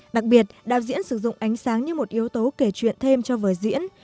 đặc biệt đạo diễn sử dụng ánh sáng như một yếu tố kể chuyện thêm cho vở diễn